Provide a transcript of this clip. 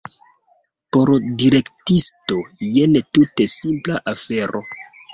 Por direktisto jen tute simpla afero.